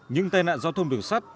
nhưng tai nạn giao thông đường sắt